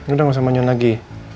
udah gak usah main lagi